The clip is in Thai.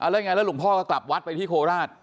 แล้วลุงพ่อก็กลับวัดไปที่โคราช